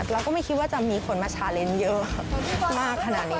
เราก็ไม่คิดว่าจะมีคนมาชาเลนส์เยอะมากขนาดนี้